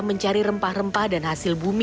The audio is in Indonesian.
mencari rempah rempah dan hasil bumi